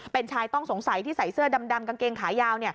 เป็นชายต้องสงสัยที่ใส่เสื้อดำกางเกงขายาว